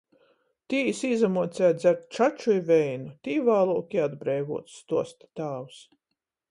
Tī jis īsamuoceja dzert čaču i veinu, tī vāluok i atbreivuots, stuosta tāvs.